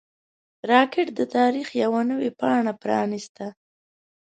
راکټ د تاریخ یوه نوې پاڼه پرانیسته